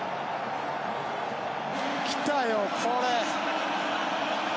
来たよ、これ。